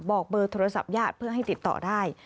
บอกเบอร์โทรศัพท์ญาติเพื่อให้ติดต่อได้